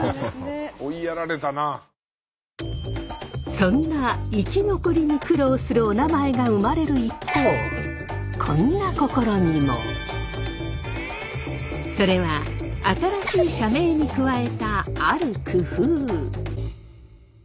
そんな生き残りに苦労するおなまえが生まれるそれは新しい社名に加えたある工夫。